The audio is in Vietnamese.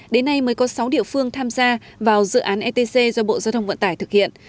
đến nay mới có sáu địa phương tham gia vào dự án etc do bộ giao thông vận tải thực hiện